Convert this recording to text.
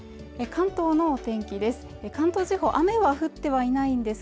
関東のお天気です